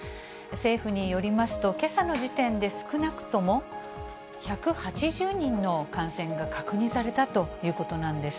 政府によりますと、けさの時点で、少なくとも１８０人の感染が確認されたということなんです。